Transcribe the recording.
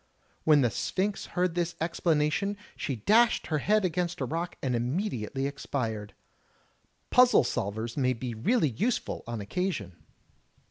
When the Sphinx heard this explanation, she dashed her head against a rock and immediately expired. Puzzle solvers may be really useful on occasion.